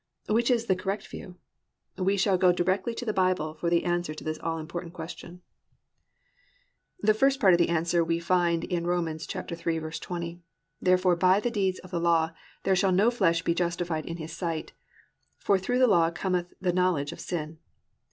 Which is the correct view? We shall go directly to the Bible for the answer to this all important question. 1. The first part of the answer we will find in Rom. 3:20, +"Therefore by the deeds of the law there shall no flesh be justified in his sight: for through the law cometh the knowledge of sin."